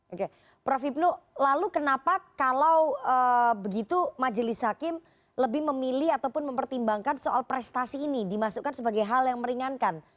oke prof ibnu lalu kenapa kalau begitu majelis hakim lebih memilih ataupun mempertimbangkan soal prestasi ini dimasukkan sebagai hal yang meringankan